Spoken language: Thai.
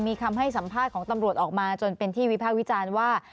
มีคำให้สัมภาษณ์ของตำรวจออกมาจนเป็นที่วิภาควิจารณ์ว่า